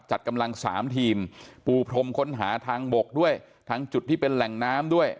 จัดกำลังสามทีมปูพรมค้นหาทางบกด้วยทั้งจุดที่เป็นแหล่งน้ำด้วย